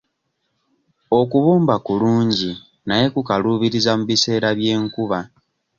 Okubumba kulungi naye kukaluubiriza mu biseera by'enkuba.